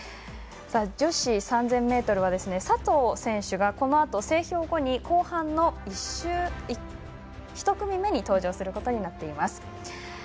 女子３０００ｍは佐藤選手がこのあと整氷後に後半の１組目に登場することになっています。